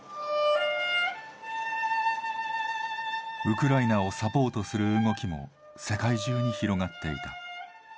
ウクライナをサポートする動きも世界中に広がっていた。